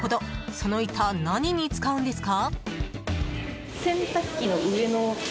その板、何に使うんですか？